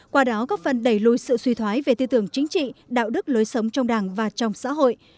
qua đó góp phần đẩy lùi sự suy thoái về tư tưởng chính trị đạo đức lối sống trong đảng và trong xã hội